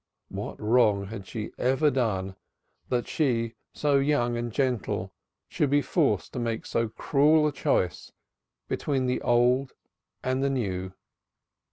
What wrong had she ever done that she so young and gentle should be forced to make so cruel a choice between the old and the new?